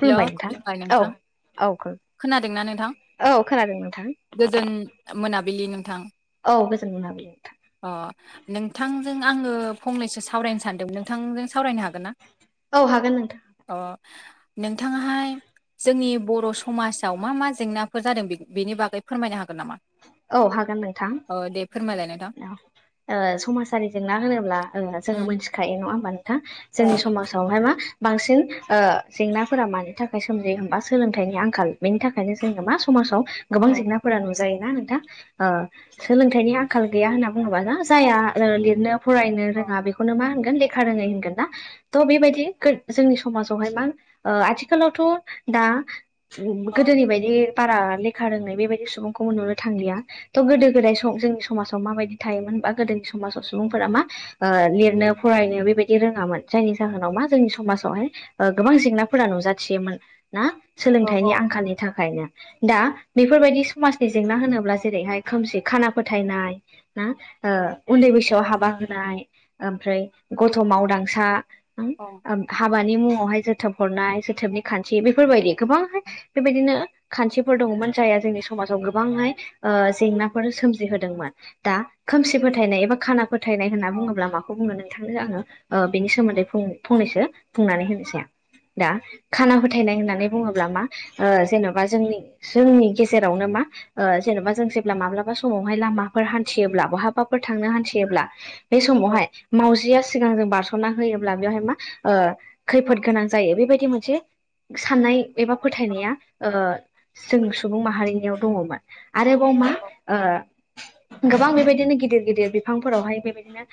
हेल' नोंथां खुलुमबाय औ नोंथां औ खोनादोंना नोंथां औ खोनादों नोंथां गोजोन मोनाबिलि नों नोंथां औ गोजोन मोनाबिलि नोंथां [inaudible] अ नोंथांजों आंओ फंनैसो सावरायनो सानदोंमोन नोंथांजों सावरायनो हागोन ना? औ हागोन नोंथां। अ नोंथाङाहाय जोंनि बर' समाजाव मा मा जेंना फोर जादों बि बिनि बागै फोरमायनो हागोन नामा औ हागोन नोंथां। औ दे फोरमायलाय नोंथां [unintelligible] ओ समाजारि जेंना होनोब्ला ओ जोङो उम मोनथिखायो नङा होमबा नो? औ जोंनि समाजावहाय मा बांसिन ओ जेंनाफोरा मानि थाखाय सोमजियो होमबा सोलोंथाइनि आंखाल बेनि थाखायनो जोङो मा समाजाव औ गोबां औ जेंनाफोरा नुयो जायोना नोंथां ओ सोलोंथाइनि आंखाल गैया होनना बुङोबा ना जाया लिरनो फरायनो रोङा बेखौनो मा होनगोन लेखा रोङै होनगोन ना थ' बेबायदि जोंनि समाजावहाय मा ओ आथिखालावथ' दा गोदोनि बायदि बारा लेखा रोंनाय बेबायदि सुबुं खौबो नुनो थांलिया थ' गोदो गोदाय सम जोंनि समाजाव माबायदि थायोमोन बा गोदोनि समाजाव सुबुंफोरा मा ओ लिरनो फरायनो बेबायदि रोङामोन जायनि जाहोनाव मा जोंनि समाजावहाय ओ गोबां जेंनाफोर फोरा नुजाथियोमोन ना औ सोलोंथाइनि औ आंखालनि थाखायनो दा बेफोरबायदि समाजनि जेंना औ होनोब्ला जेरैहाय खोमसि खाना फोथायनाय ना? ओ उन्दै औ बैसोआव हाबा होनाय ओमफ्राय गथ' मावदांसा ओम औ हाबा मुंआवहाय जोथोब हरनाय जोथोबनि खान्थि बेफोरबादि गोबांहाय बेबायदिनो खान्थिफोर दंमोन [unintelligible] जोंनि स समाजाव गोबांहाय ओ जेंनाफोर सोमजिहोदोंमोन दा खोमसि फोथायनाय एबा खाना फोथायनाय होनना बुङोब्ला माखौ बुंङो नों थांनो आङो बेनि सोमोन्दै फंनैसो बुंनानै होनोसै। दा खाना फोथायनाय होननानै बुङोब्ला मा ओ जेन'बा जोंनि जोंनि गे जेरावनो मा जेन'बा जों जेब्ला माब्लाबा समावहाय लामा फोर हान्थियोब्ला बहाबाफोर थांनो हान्थियोब्ला बे औ समावहाय मावजिया सिगांजों बारस'ना होयोब्ला बेवहाय मा खैफोद गोनां जायो बेबायदि मोनसे साननाय एबा फोथायनाया ओ जों सुबुं माहारिनियाव दङमोन । आरोबाव मा ओ गोबां बेबायदिनो गिदिर गिदिर बिफांफोरावहाय बेबायदिनो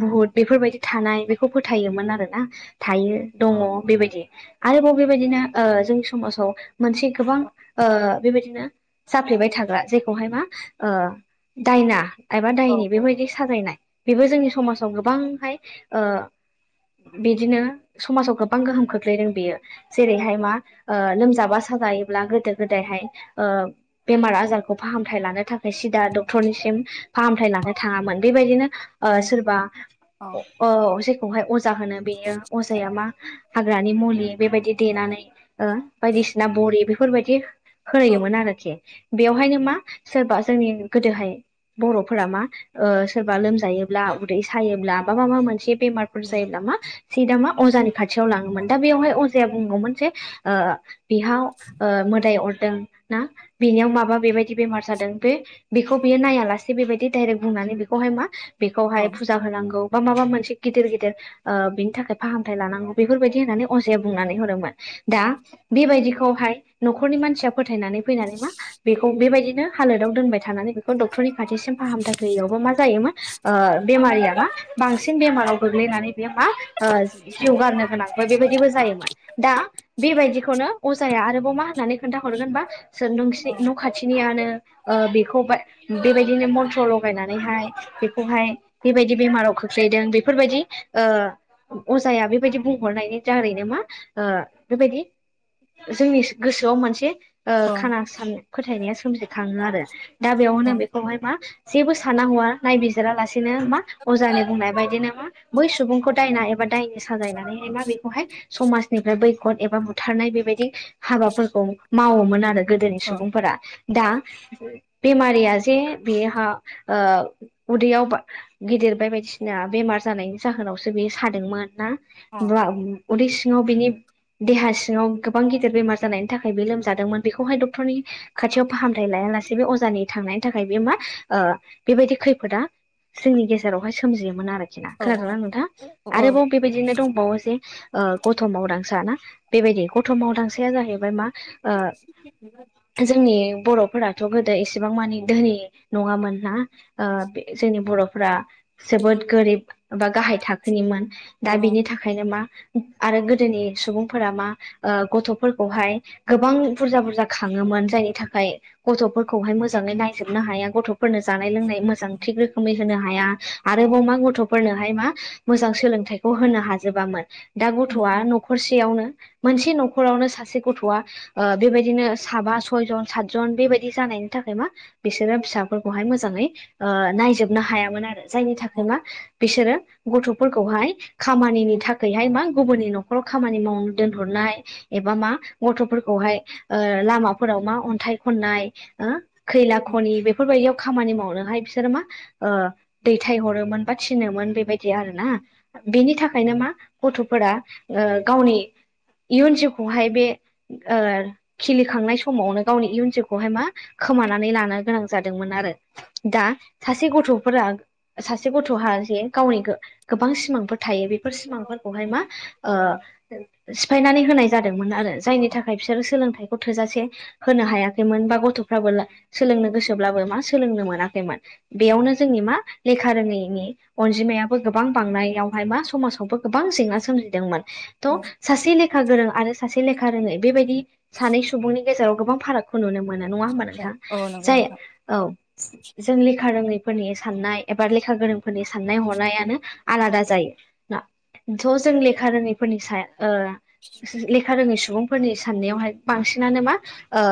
बुहुत बेफोरबायदि थानाय बेखौ फोथायोमोन आरोना। थायो दङ बेबायदि। आरोबाव बेबायदिनो ओ जोंनि समाजाव मोनसे गोबां ओ बेबायदिनो जाफ्लेबाय थाग्रा जेखौहाय ओ मा दायना एबा औ दायनि बेबायदि साजायनाय बेबो जोंनि समाजाव गोबांहाय ओ बिदिनो समाजाव गोबां गोहोम खोख्लैदों बेयो जेरैहाय मा ओ लोमबा साजाबा जायोब्ला गोदो गोदायहाय ओ बेमार आजारखौ फाहामथाय लानो थाखाय सिदा डक्टरनिसिम फाहामथाय लानो थाङामोन बेबायदिनो ओ सोरबा औ ओ सेरखौहाय अजा होनो बेयो अजाया मा हाग्रानि मुलि बेबायदि देनानै ओ बायदिसिना बरि बेफोरबायदि औ होनाययोमोन आरोखि । बेयावहायनो मा सोरबा जोंनि गोदोहाय । बर'फोरा मा ओ सोरबा लोमजायोब्ला उदै सायोब्ला बा मा मा मोनसे बेमारफोर जायोब्ला मा । सिदा मा अजानि खाथियाव लाङोमोन दा बेवहाय अजाया बुंगौमोन जे ओ बेहाव ओ मोदाय अरदों ना बेनियाव माबा बेबायदि बेमार जादों बे बेखौ बेयो नायालासे बेबायदि दायरेक बुंनानै बेखौहाय मा बेखौहाय औ होनांगौ बा माबा मोन से गिदिर गिदिर बिनि थाखाय फाहामथाय लानांगौ बेफोरबायदि होननानै अजाया बुंनानै होदोंमोन दा । बेबायदिखौहाय न'खरनि मानसिया फोथायनानै फैनानै मा बेखौ बेबायदिनो हालोदाव दोनबाय थानानै बेखौ डक्टरनि खाथिसिम फाहामथाय गैयावबो मा जायोमोन ओ बेमारिया मा बांसिन बेमाराव गोग्लैनानै बे मा ओ जिउ गारनो गोनांबो बेबायदिबो जोयोमोन दा बेबायदिखौनो अजाया आरोबाव मा होननानै खोन्था हरगोनबा सो नोंसिनि न' खाथिनिनो ओ बेखौ बा बेबायदिनो मन्थ्र' लागायनानै नानैहाय बेखौहाय बेबायदि बेमाराव खोख्लैदों बेफोरबायदि ओ अजाया बेबायदि बुंहरनायनि दारैनो मा ओ बेबायदि जोंनि गोसोआव मोनसे ओ खाना फोथायनाया सोमजिखाङो आरो दा बेयावनो बेखौहाय मा जेबो सानना हौवआ नायबिजिरा लासिनो मा अजानि बुंनाय बायदिनो मा बै सुबुंखौ दायना एबा दायनि साजायनानैहाय मा बेखौहाय समाजनिफ्राय बैखद एबा बुथारनाय बेबायदि हाबाफोरखौ मावोमोन आरो गोदोनि सुबुंफोरा। दा बेमारिया जे बेहा ओ उदैयाव बा गिदिर। देरबाय बायदिसिना बेमार जानायनि जाहोनावसो बेयो सादोंमोन ना उदै सिङाव बिनि देहा सिङाव गोबां गिदिर बेमार जानायनि थाखाय बे लोमजा जादोंमोन बेखौहाय डक्टरनि खाथियाव फाहामथाय लाया लासेनो अजानि थांनायनि थाखाय बे मा ओ बेबायदि खैफोदा जोंनि गेजेरावहाय सोमजियोमोन आरो खोनादोंनाा नोंथाङा आरोबाव बेबायदिनो दं बावो जे ओ गथ' मावदांसा ना बेबायदि गथ' मावदांसाया जाहैबाय मा ओ जोंनि बर'फोराथ' गोदो एसेबां मानि धोनि नङामोन ना ओ जोंनि बर'फोरा जोबोद गोरिब बा गाहाय थाखोनिमोन औ दा औ बिनि थाखायनो मा आरो गोदोनि सुबुंफोरा मा गथ'फोरखौहाय गोबां बुरजा बुरजा खाङोमोन जायनि थाखाय गथ'फोरखौहाय मोजाङै नायजोबनो हाया गथ' फोरनो जानाय लोंनाय मोजां थिग रोखोमै होनो हाया आरोबाव मा गथ'फोरनो मा मोजां सोलोंथाइखौ होनो हाजोबामोन दा गथ'आ औ न'खरसेयावनो मोनसे न'खरावनो सासे गथ'आ ओ बेबायदिनो साबा सयजन साथजन बेबायदि जानायनि थाखाय मा बिसोरो फिसाफोरखौहाय मोजाङै ओ नायजोबनो हायामोन आरो जायनि थाखाय औ मा बिसोरो गथ'फोरखौहाय खामानिनि थाखायहाय मा गुबुननि न'खराव खामानि माव दोनहरनाय एबा एबा मा गथ'फोरखौहाय लामाफोराव मा अन्थाइ खननाय खैला खनि बेफोरबायदियाव खामानि मावनो बिसोरो मा ओ दैथाय हरोन बा थिनोन बेबायदि आरोना बेनि थाखायनो मा गथ'फोरा ओ गावनि इयुन जिउखौहाय बे ओ खिलिखांनाय समावनो गावनि इयुन जोलखौहाय मा खोमानानै लानो गोनां जादोंमोन आरो दा सासे गथ'फोरा सासे गथ'हा जे गावनि गोबां सिमांफोर थायो बेफोर सिमांफोरखौहाय मा ओ सिफायनानै होनाय जादोंमोन आरो जायनि नि थाखाय बिसोरो सोलोंथाइ थोजासे होनो हायाखैमोन बा गथ'फ्राबो सोलोंनो गोसोब्लाबो मा सोलोंनो मोनाखैमोन बेयावनो जोंनि मा लेखा रोङैनि अनजिमायाबो गोबां बांनायावहाय मा समाजावबो गोबां जेंना सोमजिदोंमोन थ' औ सासे लेखा गोरों आरो सासे लेखा रोङै बेबायदि सानै सुबुंनि गेजेराव गोबां फारागखौ नुनो मोनो मोना नङा होमबा नोंथां औ नंगौ जायो नोंथां औ जों लेखा रोङैफोरनि साननाय एबा लेखा गोरोंफोरनि साननाय हनायानो आलादा जायो ना ज' जों लेखा रोङैफोरनि सायाव ओ लेखा रोङै सुबुं फोरनि साननायावहाय बांसिनानो मा ओ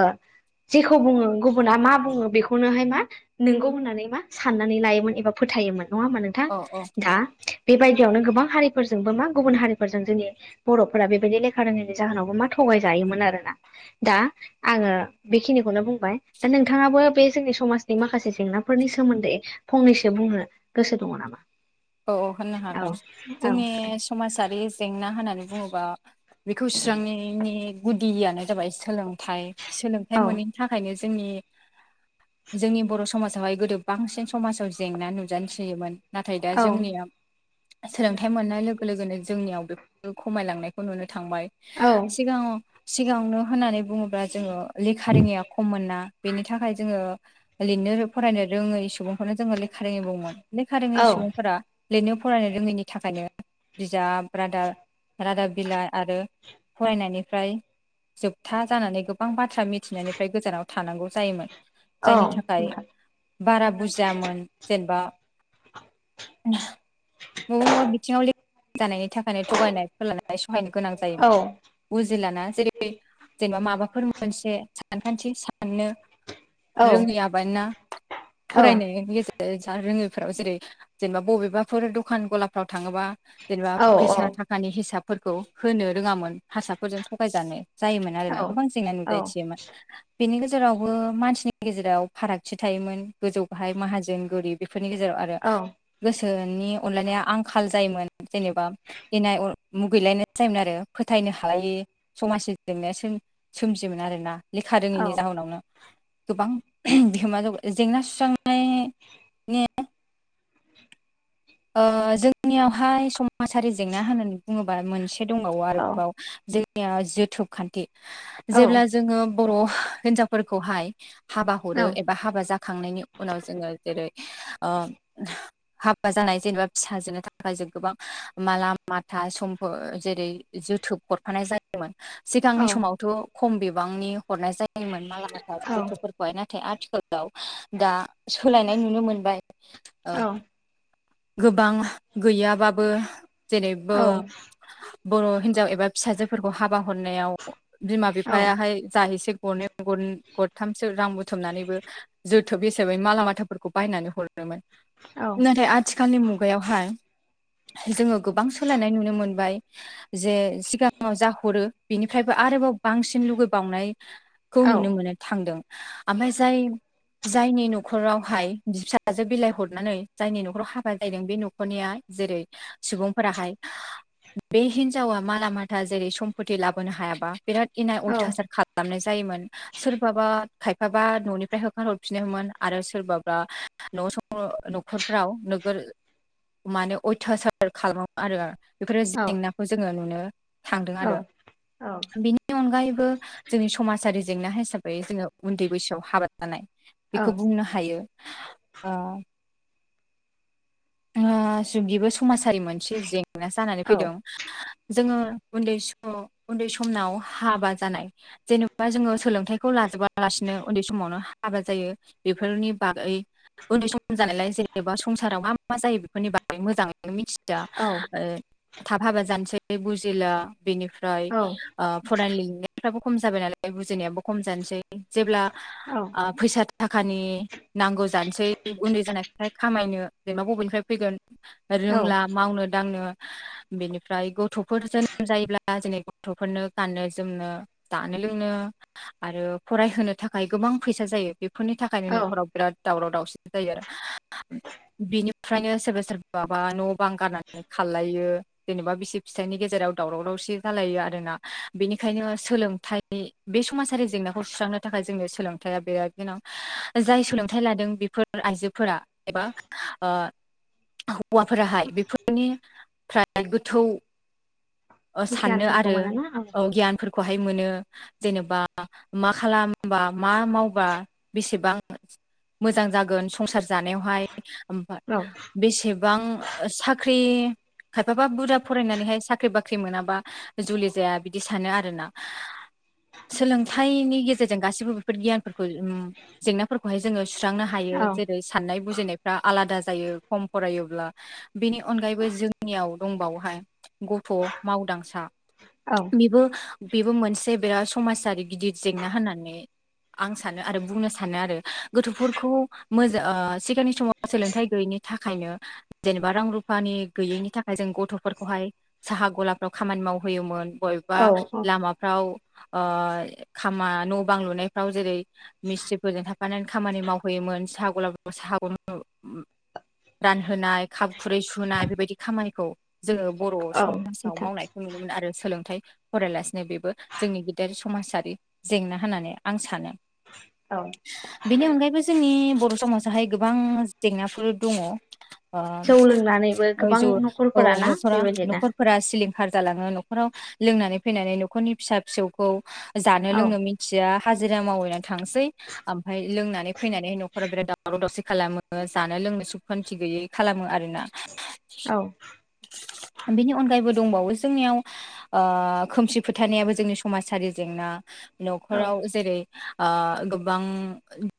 जेखौ बुङो गुबुना मा बुङो बेखौनोहाय मा नोंगौ होननानै मा साननानै लायोमोन एबा फोथायोमोन नङा होमा नोंथां औ औ दा बेबायदियावनो गोबां हारिफोरजोंबो मा गुबुन हारिफोरजों जोंनि बर'फोरा बेबायदि लेखा रोङैनि जाहोनाव मा थगाय जायोमोन आरोना दा आङो बेखिनिखौनो बुंबाय दा नोंथाङाबो बे जोंनि समाजनि माखासे जेंनाफोरनि सोमोन्दै फंनैसो बुंनो गोसो दङ नामा औ औ होननो औ हागोन औ जोंनि समाजारि जेंना होननानै बुङोबा बेखौ स्रांनायनि गुदियानो जाबाय सोलोंथाइ सोलोंथाइ औ मोनैनि थाखायनो जों जोंनि बर' समाजावहाय गोदो बांसिन समाजाव जेंना नुजानो सोयोमोन नथाय दा औ जोंनिया सोलोंथाइ मोननाय लोगो लोगोनो जोंनियाव बे खमायलांनायखौ नुनो थांबाय औ सिगाङाव सिगाङावनो होननानै बुङोब्ला जोङो लेखा रोङैया खममोना बेनि थाखाय जोङो लिरनो फरायनो रोङै सुबुंफोरनो जोङो लेखा रोङै बुंमोन लेखा रोङै औ सुबुं फोर लिरनो फरायनो रोङैनि थाखायनो बिजाबादाब रादाब बिलाइ आरो फरायनायनिफ्राय जोबथा जानानै गोबां बाथ्रा मिथिनायनिफ्राय गोजानाव थानांगौ जायोमोन औ जायनि थाखाय बारा बुजियामोन जेनेबा नों बिथिंआव जानायनि थाखायनो थगायनाय फोरोलानाय सहायनो गोनां औ जायोमोन उजिलाना जेरै जेनेबा माबाफोर मोनसे सान खान्थि साननो औ रोङि आबाया फरायनायनि गेजेराव ज जा रोङैफोरा जेरै - जेनेबा बबेबाफोर दखान गलाफ्राव थाङोबा जेनेबा फैसा थाखानि हिसाबफोरखौ होनो रोङामोन हारासारफोरजों थगायजानो जायोमोन औ आरोना गोबां जेंना औ नुजाथियोमोन बेनि गेजेरावबो मानसिनि गेजेराव फारागथि थायोमोन गोजौ बाहाय माहाजोन गोरिब बे फोरनि गेजेराव गियानफोरखौ मोनोना औ आरो। गोसोनि अनलायनाया आंखाल जायोमोन - जेनेबा - इनाय अर - मुगैलायनाय जायोमोन आरो। फोथायनो हायै - समाजनि जेंना सोम - सोमजियोमोन आरोना। लेखा रोङैनि जाहोनावनो - गोबां - ओहम - बिहोमा होबाय जेंना सुस्रांनाय ने ओ जोंनियावहाय समाजारि जेंना होननानै बुङोबा मोन ए दंबावो आरोबाव जोंनिया जोथोब खान्थि जेब्ला जोङो बर' हिनजावफोरखौहाय हाबा हरो एबा हाबा जाखांनायनि उनाव जोङो जेरै - ओ [unintelligible] हाब जानाय जेनेबा फिसाजोनो थाखाय जों गोबां माला माथा समफोर जेरै- जोथोब हरफानाय जायोमोन। सिगांनि समावथ' खम बिबांनि हरनाय जायोमोन मालाबाथा जोथोबफोरखौहाय नाथाय आथिखालाव दा सोलायनाय नुनो मोनबाय। ओ गोबां गैयाबाबो जेरैबो बर' हिनजाव एबा फिसाजोफोरखौ हाबा हरनायाव बिमा बिफायाहाय जा एसे गरनै गर गरथामसो रां बुथुमनानैबो जोथोब हिसाबै माला माथाफोरखौ बायनानै हरो मोन। नाथाय आ थिखालनि मुगायावहाय जोङो गोबां सोलायनाय नुनो मोनबाय जे सिगाङाव जा हरो बिनिफ्रायबो आरोबाव बांसिन लुगै बावनाय खौ नुनो मोननो थांदों आमफाय जाय जायनि न'खरावहाय बि फिसाजो बिलाइ हरनानै जायनि न'खराव हा [unintelligible] बे न'खरनिया जेरै- सुबुंफोराहाय बे हिनजावा माला माथा जेरै- सम्फति लाबोनो हायाबा बिराद इनाय अयथासार खालामनाय जा जायोमोन। सोरबाबा खायफाबा न'निफ्राय होखार हरफिनोमोन आरो सोरबाबा न' [unintelligible] न'खरफ्राव [unintelligible] [unintelligible] माने अयथासार खालामो आरो बेफोर जेंनाखौ जोङो नुनो थांदों आरो बेनि अनगायै बो जोंनि समाजारि जेंना हिसाबै जोङो उन्दै बैसोआव हाबा जानाय बेखौ बुंनो हायो। ओ ओ [unintelligible] बेबो समाजारि मोनसे जेंना जानानै फैदों। जोङो उन्दै समाव उन्दै समनाव हाबा जानाय जेनेबा जोङो सोलोंथाइखौ लाजोबा लासिनो उन्दै समावनो हा हाबा जायो बेफोरनि बागै उन्दै सम जानायलाय जेनेबा संसाराव मा मा जायो बेफोरनि बागै मोजाङैनो मिथिया ओ थाब हाबा जानोसै बुजिला बेनिफ्राय आ फरायनो [unintelligible] फ्राबो खम जाबाय नालाय बुजिनायाबो खम जानोसै जेब्ला ओ फैसा थाखानि नांगौ जानोसै उन्दै जानायखाय खामायनो जेनेबा बबेनिफ्राय फैगोन रोंला मावनो दांनो बिनिफ्राय गथ'फोर जोनोम जायोब्ला [unintelligible] गथ'फोरनो गाननो जोमनो जानो लोंनो आरो फरायहोनो थाखाय गोबां फैसा जायो बेफोरनि थाखायनो न'खराव बिराद दावराव दावसि जायो आरो [unintelligible] बिनिफ्रायनो सोरबा सोरबाबा न' बां गारनानै खारलायो जेनेबा बिसि फिसाइनि गेजेराव दावराव दावसि जालायो आरोना बेनिखायनो सोलोंथाइ बे समाजारि जेंनाखौ सुस्रांनो था खाय जोंनो सोलोंथाइया बिराद गोनां। जाय सोलोंथाइ लादों बेफोर आइजोफोरा एबा ओ हौवाफोराहाय बेफोरनिफ्राय गोथौ ओ साननो आरो ओ गियानफोर खौहाय मोनो जेनेबा मा खालामबा मा मावबा बेसेबां मोजां जागोन संसार जानायावहाय ओमफ्राय बेसेबां साख्रि खायफाबा बुरजा फरायनानैहाय साख्रि बा ख्रि मोनाबा जुलि जाया बिदि सानो आरोना सोलोंथाइनि गेजेरजों गासिबो बेफोर गियानफोरखौ जेंनाफोरखौहाय जोङो। सुस्रांनो हायो जेरै- साननाय बुजिनाय फ्रा आलादा जायो खम फरायोब्ला बेनि अनगायैबो जोंनियाव दंबावहाय गथ' मावदांसा बेबो बेबो मोनसे बिराद समाजारि गिदिद जेंना होननानै आं सानो आरो बुंनो सानो आरो गोथोफोरखौ मोजा ओ सिगांनि समाव सोलोंथाइ गैयैनि थाखायनो जेनेबा रां रुफानि गैयैनि थाखाय जों गथ'फोरखौहाय सा हा गलाफ्राव खामानि मावहोयोमोन बबेबा औ लामाफ्राव ओ खामा न' बां लुनायफ्राव जेरै मिस्थ्रिफोरजों थाफानानै खामानि मावहैयोम मोन साहा गला [unintelligible] साहा गल [unintelligible] रानहोनाय खाफ खुरै सुनाय बेबायदि खामानिखौ जोङो बर' औ समासाव नोंथां मावनायखौ नुनोमोन आरो सोलोंथाइ फरायालासिनो बेबो जोंनि गिदेर समाजारि जेंना होननानै आं सानो औ बेनि अनगायैबो जोंनि बर' समाजाहाय गोबां ज [unintelligible] जेंनाफोर दङ' आ जौ लोंनानैबो ओ गोबां जौ औ न'खरफोराना न'खरा बेबायदिनो न'खरफोरा सिलिं खार जालाङो न'खराव लोंनानै फैनानै न'खरनि फिसा फिसौखौ जानो औ लोंनो मिथिया हाजिरा मावैनानै थांसै ओमफाय लोंनानै फैनानै न'खरा बिराद दावराव दावसि खालामो जानो लोंनो सुखान्थि गैयै खालामो आरो। औ [inaudible] बिनि अनगायैबो दंबावो जोंनियाव ओ खोमसि फोथायनायाबो जोंनि समाजारि जेंना औ न'खराव जेरै ओ गोबां